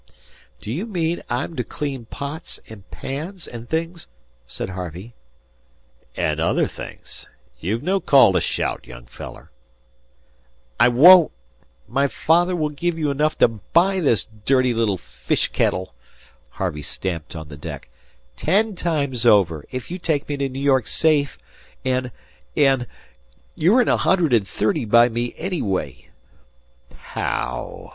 "Do you mean I'm to clean pots and pans and things?" said Harvey. "An' other things. You've no call to shout, young feller." "I won't! My father will give you enough to buy this dirty little fish kettle" Harvey stamped on the deck "ten times over, if you take me to New York safe; and and you're in a hundred and thirty by me, anyhow." "Haow?"